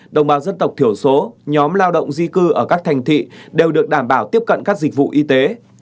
đồng bào dân tộc thiểu số nhóm lao động di cư ở các thành thị đều được đảm bảo tiếp cận các dịch vụ y tế